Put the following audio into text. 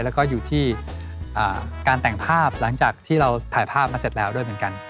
แล้วก็อยู่ที่การแต่งภาพหลังจากที่เราถ่ายภาพมาเสร็จแล้วด้วยเหมือนกัน